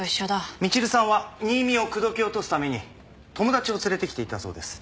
みちるさんは新見を口説き落とすために友達を連れてきていたそうです。